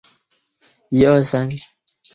染色箭毒蛙为有毒的动物之一。